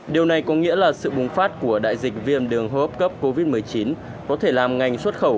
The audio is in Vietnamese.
điều này có nghĩa là sự bùng phát của đại dịch viêm đường hô hấp cấp covid một mươi chín có thể làm ngành xuất khẩu